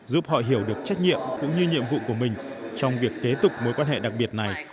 giúp họ hiểu được trách nhiệm cũng như nhiệm vụ của mình trong việc kế tục mối quan hệ đặc biệt này